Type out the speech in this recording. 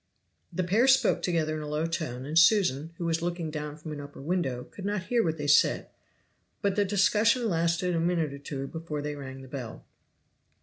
The pair spoke together in a low tone, and Susan, who was looking down from an upper window, could not hear what they said; but the discussion lasted a minute or two before they rang the bell.